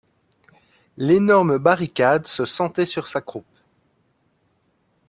L'énorme barricade le sentait sur sa croupe.